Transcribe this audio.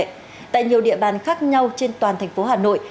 tổng lệ tại nhiều địa bàn khác nhau trên toàn thành phố hà nội